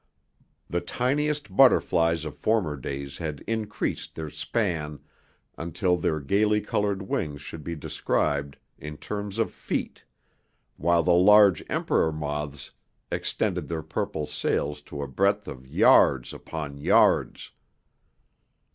The tiniest butterflies of former days had increased their span until their gaily colored wings should be described in terms of feet, while the larger emperor moths extended their purple sails to a breadth of yards upon yards.